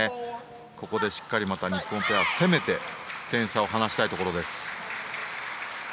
ここでしっかり日本ペアは攻めて点差を離したいところです。